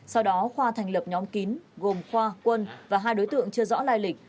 sau đó khoa thành lập nhóm kín gồm khoa quân và hai đối tượng chưa rõ lai lịch